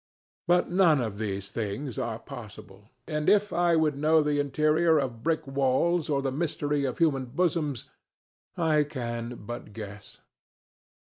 But none of these things are possible; and if I would know the interior of brick walls or the mystery of human bosoms, I can but guess.